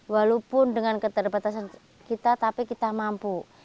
walaupun dengan keterbatasan kita tapi kita mampu